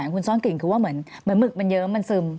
คุณซ่อนกลิ่นคือว่าเหมือนหมึกมันเยิ้มมันซึม